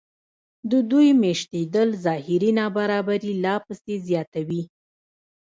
د دوی مېشتېدل ظاهري نابرابري لا پسې زیاتوي